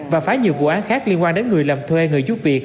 và phá nhiều vụ án khác liên quan đến người làm thuê người giúp việc